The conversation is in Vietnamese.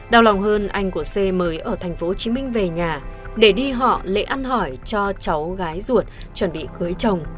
đau lòng hơn anh của c mới ở tp hcm về nhà để đi họ lễ ăn hỏi cho cháu gái ruột chuẩn bị cưới chồng